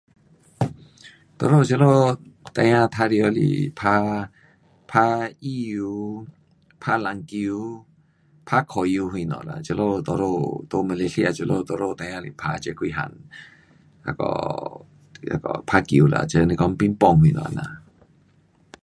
我们这里孩儿玩耍是打，打羽球，打篮球，打足球什么啦。这里多数在马那个来西亚这里多数孩儿是打这几种。那个,那个打球啦，这是说乒乓什么这样。